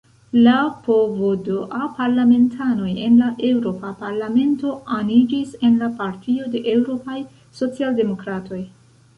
La PvdA-parlamentanoj en la Eŭropa Parlamento aniĝis en la Partio de Eŭropaj Socialdemokratoj.